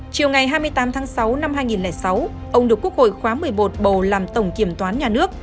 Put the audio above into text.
chiều ngày hai mươi tám tháng sáu năm hai nghìn sáu ông được quốc hội khóa một mươi một bầu làm tổng kiểm toán nhà nước